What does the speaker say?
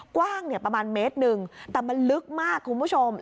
กว้างประมาณเมตรหนึ่งแต่มันลึกมากคุณผู้ชม